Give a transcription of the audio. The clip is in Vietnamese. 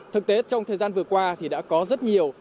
thực tế trong thời gian vừa qua thì đã có rất nhiều